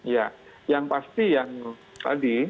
ya yang pasti yang tadi